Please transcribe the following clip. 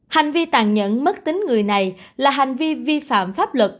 hành vi tàn nhẫn mất tính người này là hành vi vi phạm pháp luật